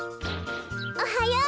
おはよう！